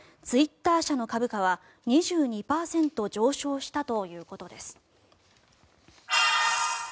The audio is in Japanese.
ツイッター社の株価は２２％上昇したということです。